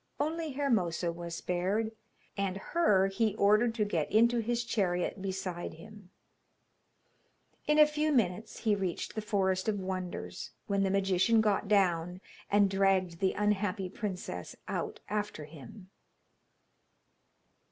Only Hermosa was spared, and her he ordered to get into his chariot beside him. In a few minutes he reached the Forest of Wonders, when the magician got down, and dragged the unhappy princess out after him.